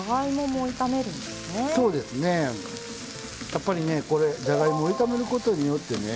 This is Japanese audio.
やっぱりねこれじゃがいもを炒めることによってね